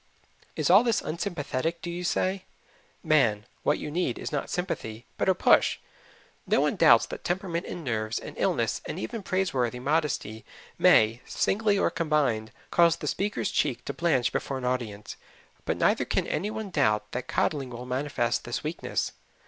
Is all this unsympathetic, do you say? Man, what you need is not sympathy, but a push. No one doubts that temperament and nerves and illness and even praiseworthy modesty may, singly or combined, cause the speaker's cheek to blanch before an audience, but neither can any one doubt that coddling will magnify this weakness.